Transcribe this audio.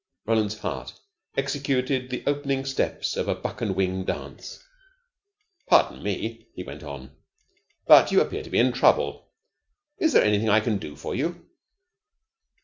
Roland's heart executed the opening steps of a buck and wing dance. "Pardon me," he went on, "but you appear to be in trouble. Is there anything I can do for you?"